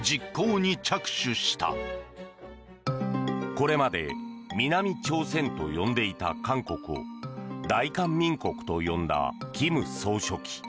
これまで南朝鮮と呼んでいた韓国を大韓民国と呼んだ金総書記。